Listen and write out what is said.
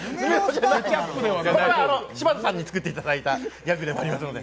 柴田さんに作ってもらったギャグでもありますので。